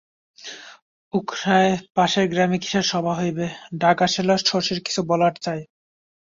উখারায় পাশের গ্রামে কিসের সভা হইবে, ডাক আসিল শশীর কিছু বলা চাই।